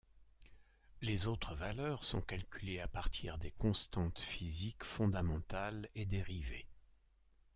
Les autres valeurs sont calculées à partir des constantes physiques fondamentales et dérivées.